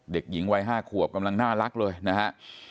เด็กหญิงวัย๕ขวบกำลังน่ารักเลยนะฮะ